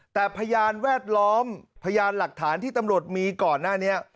แต่พยานแวดล้อมพยานหลักฐานที่ตำรวจมีก่อนหน้านี้